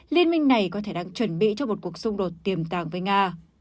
liên minh này có thể đang chuẩn bị cho một cuộc xung đột tiềm tàng với nga